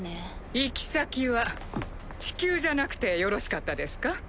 ・行き先は地球じゃなくてよろしかったですか？